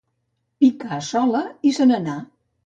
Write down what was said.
Picà sola i se n'anà.